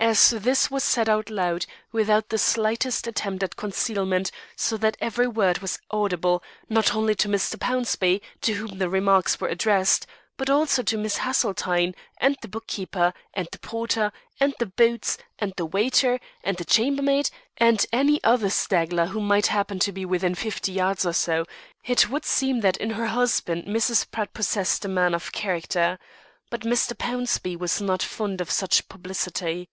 As this was said out loud, without the slightest attempt at concealment, so that every word was audible, not only to Mr. Pownceby, to whom the remarks were addressed, but also to Miss Haseltine, and the book keeper, and the porter, and the boots, and the waiter, and the chambermaid, and any other straggler who might happen to be within fifty yards or so, it would seem that in her husband Mrs. Pratt possessed a man of character. But Mr. Pownceby was not fond of such publicity.